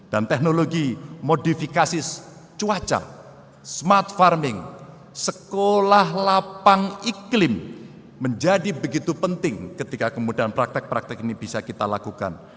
dan teknologi modifikasi cuaca smart farming sekolah lapang iklim menjadi begitu penting ketika kemudian praktek praktek ini bisa kita lakukan